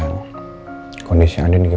loh kayak gitu